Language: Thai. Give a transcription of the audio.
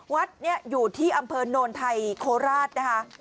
วัดนี้อยู่ที่อำเภอโนนไทยโคราชนะคะ